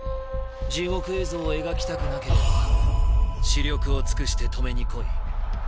地獄絵図を描きたくなければ死力を尽くして止めに来い。